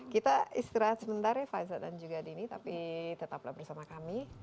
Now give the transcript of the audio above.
kita istirahat sebentar ya faiza dan juga dini tapi tetaplah bersama kami